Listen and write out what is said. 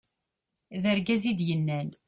d argaz i d-yennan